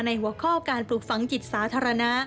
หัวข้อการปลูกฝังจิตสาธารณะ